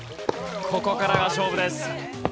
ここからが勝負です。